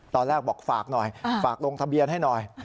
ตอนแรกบอกฝากหน่อยฝากลงทะเบียนให้หน่อย